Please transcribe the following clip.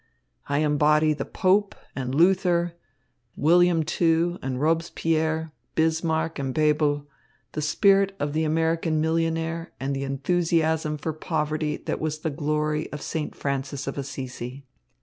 I embody the Pope and Luther, William II and Robespierre, Bismarck and Bebel, the spirit of the American millionaire and the enthusiasm for poverty that was the glory of St. Francis of Assisi.